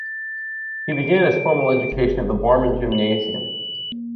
He began his formal education at the Barmen Gymnasium.